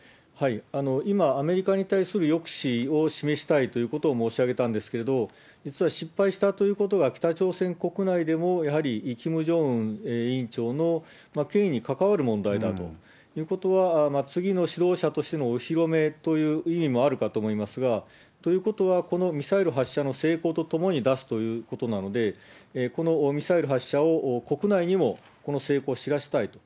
今、アメリカに対する抑止を示したいということを申し上げたんですけれども、実は失敗したということが北朝鮮国内でも、やはりキム・ジョンウン委員長の権威に関わる問題だということは、次の指導者としてのお披露目という意味もあるかと思いますが、ということは、このミサイル発射の成功とともに出すということなので、このミサイル発射を、国内にもこの成功を知らせたいと。